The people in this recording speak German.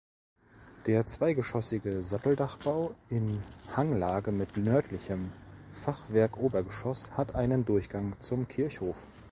Der zweigeschossige Satteldachbau in Hanglage mit nördlichem Fachwerkobergeschoss hat einen Durchgang zum Kirchhof.